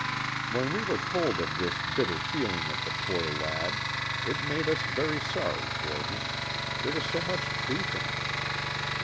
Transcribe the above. When we were told of this bitter feeling of the poor lad it made us very sorry for him there was so much truth in it.